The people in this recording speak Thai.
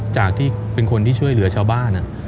จากที่เป็นคนที่ช่วยเหลือชาวบ้าน